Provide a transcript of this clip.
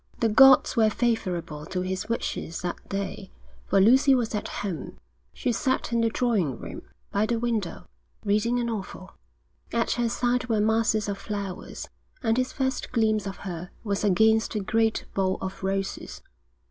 The gods were favourable to his wishes that day, for Lucy was at home; she sat in the drawing room, by the window, reading a novel. At her side were masses of flowers, and his first glimpse of her was against a great bowl of roses.